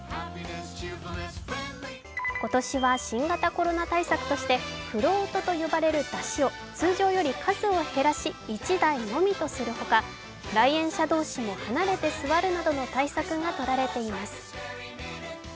今年は新型コロナ対策としてフロートと呼ばれる山車を通常より数を減らし、１台のみとするほか、来園者同士も離れて座るなどの対策がとられています。